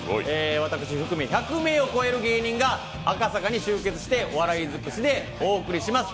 私含め１００名を超える芸人が赤坂に集結してお笑い尽くしでお送りします。